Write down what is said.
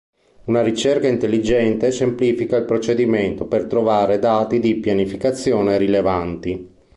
Una ricerca intelligente semplifica il procedimento per trovare dati di pianificazione rilevanti.